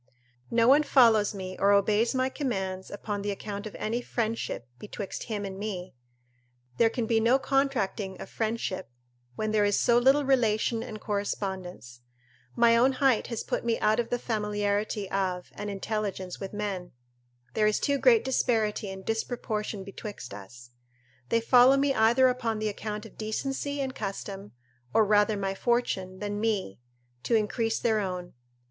No one follows me or obeys my commands upon the account of any friendship, betwixt him and me; there can be no contracting of friendship where there is so little relation and correspondence: my own height has put me out of the familiarity of and intelligence with men; there is too great disparity and disproportion betwixt us. They follow me either upon the account of decency and custom; or rather my fortune, than me, to increase their own.